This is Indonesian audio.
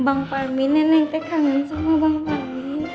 bang parmin neneknya kangen sama bang parmin